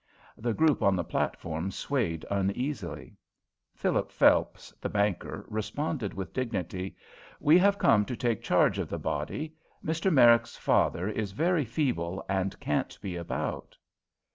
The group on the platform swayed uneasily. Philip Phelps, the banker, responded with dignity: "We have come to take charge of the body. Mr. Merrick's father is very feeble and can't be about."